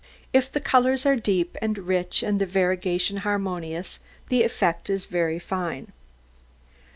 If the colours are deep and rich, and the variegation harmonious, the effect is very fine.